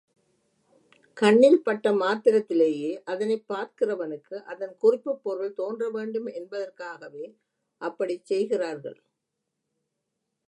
கண்ணில்பட்ட மாத்திரத்திலேயே, அதனைப் பார்க்கிறவனுக்கு அதன் குறிப்புப் பொருள் தோன்ற வேண்டும் என்பதற்காகவே அப்படிச் செய்கிறார்கள்.